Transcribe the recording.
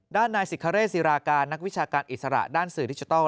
ด้านนายสิคเรศิราการนักวิชาการอิสระด้านสื่อดิจิทัล